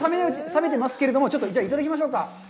冷めてますけれども、ちょっといただきましょうか。